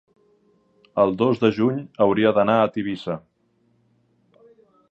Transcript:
el dos de juny hauria d'anar a Tivissa.